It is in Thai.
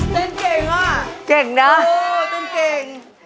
เต้นเก่งอ่ะเก่งนะเต้นเก่ง